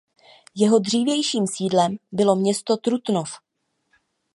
Jeho dřívějším sídlem bylo město Trutnov.